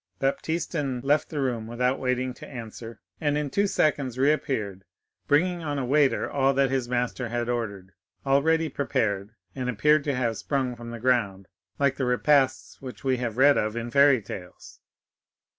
Baptistin left the room without waiting to answer, and in two seconds reappeared, bringing on a tray, all that his master had ordered, ready prepared, and appearing to have sprung from the ground, like the repasts which we read of in fairy tales.